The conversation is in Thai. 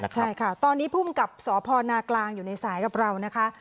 ใช่ค่ะตอนนี้ภูมิกับสพนากลางอยู่ในสายกับเรานะคะ